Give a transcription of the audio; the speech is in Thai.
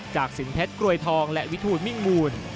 สินเพชรกรวยทองและวิทูลมิ่งมูล